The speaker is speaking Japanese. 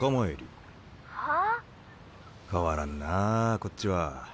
変わらんなあこっちは。